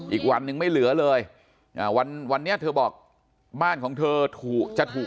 อีกวันนึงไม่เหลือเลยวันวันนี้เธอบอกบ้านของเธอถูกจะถูก